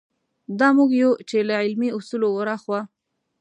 دا موږ یو چې له علمي اصولو وراخوا.